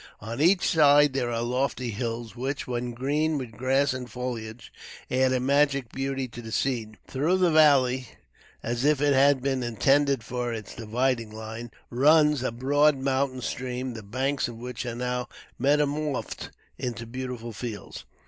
On each side there are lofty hills, which, when green with grass and foliage, add a magic beauty to the scene. Through the valley, as if it had been intended for its dividing line, runs a broad mountain stream, the banks of which are now metamorphosed into beautiful fields.